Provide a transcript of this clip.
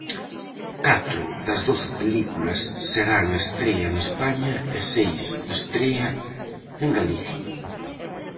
Catro das doce películas serán estrea en España e seis estrea en Galicia.